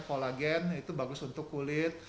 kolagen itu bagus untuk kulit